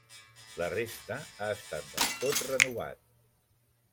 La resta, ha estat del tot renovat.